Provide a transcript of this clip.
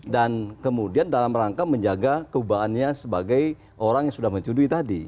dan kemudian dalam rangka menjaga kewibawaannya sebagai orang yang sudah mencudui tadi